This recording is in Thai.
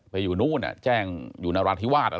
ไปอยู่นู่นอะเจ้งในรัฐวาดไป